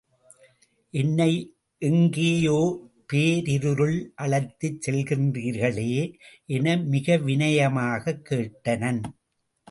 என்னை எங்கேயோ பேரிருளில் அழைத்துச் செல்லுகின்றீர்களே. என மிக விநயமாய்க் கேட்டனன்.